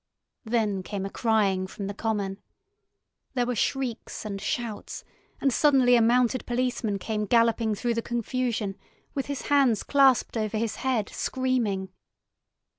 Then came a crying from the common. There were shrieks and shouts, and suddenly a mounted policeman came galloping through the confusion with his hands clasped over his head, screaming.